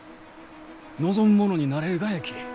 望む者になれるがやき！